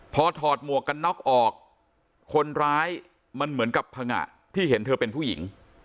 พอถอดหมวกกันน็อกออกคนร้ายมันเหมือนกับผงะที่เห็นเธอเป็นผู้หญิง